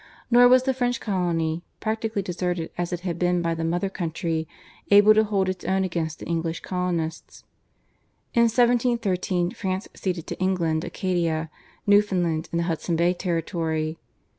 Nor was the French colony, practically deserted as it had been by the mother country, able to hold its own against the English colonists. In 1713 France ceded to England Acadia, Newfoundland, and the Hudson Bay territory.